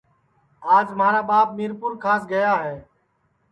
آج مھارا ٻاپ میرپُورکاس گیا ہے